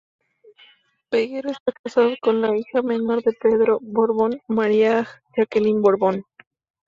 Peguero está casado con la hija menor de Pedro Borbón, María Jacqueline Borbón.